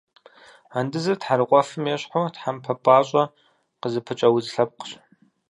Андызыр тхьэрыкъуэфым ещхьу, тхьэмпэ пӏащӏэ къызыпыкӏэ удз лъэпкъщ.